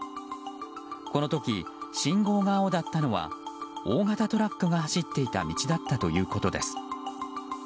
この時、信号が青だったのは大型トラックが走っていた道だったということです。